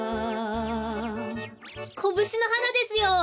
コブシのはなですよ。